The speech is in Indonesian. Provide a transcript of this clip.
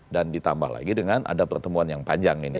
dan ditambah lagi dengan ada pertemuan yang panjang ini